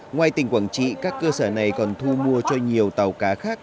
ngoài tỉnh quảng trị các cơ sở này còn thu mua cho nhiều tàu cá khác